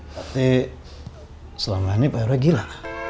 tapi selama ini pak heru gila